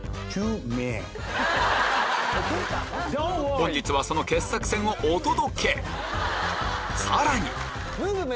本日はその傑作選をお届けさらに！